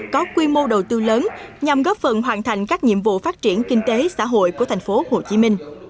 có quy mô đầu tư lớn nhằm góp phần hoàn thành các nhiệm vụ phát triển kinh tế xã hội của tp hcm